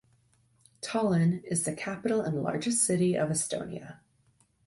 Tallinn is the capital and largest city of Estonia.